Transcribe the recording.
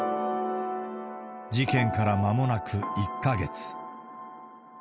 事件からまもなく１か月。